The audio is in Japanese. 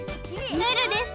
ムールです！